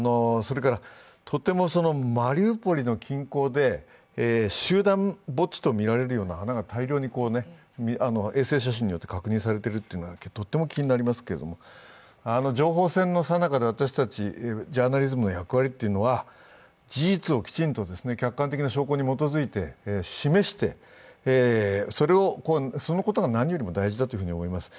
とてもマリウポリの近郊で集団墓地とみられるような大量な穴が大量に衛星写真によって確認されているのがとても気になりますけれども、情報戦のさなかで私たちジャーナリズムの役割というのは事実をきちんと客観的な証拠に基づいて示して、そのことが何よりも大事だと思います。